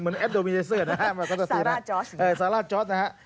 เหมือนแอสโดมิไนเซอร์นะครับก็ตัวตีน้ำครับสาราเจาะนะครับสาราเจาะ